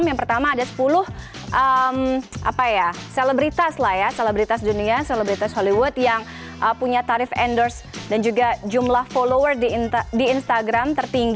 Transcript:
yang pertama ada sepuluh selebritas lah ya selebritas dunia selebritas hollywood yang punya tarif endorse dan juga jumlah follower di instagram